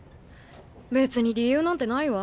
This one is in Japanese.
別に理由なんてないわ。